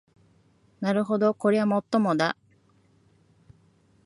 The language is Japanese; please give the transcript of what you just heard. なるほどこりゃもっともだ